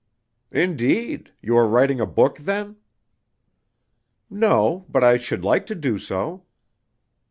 "Indeed! You are writing a book, then?" "No, but I should like to do so."